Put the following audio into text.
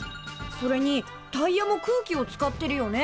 それにタイヤも空気を使ってるよね。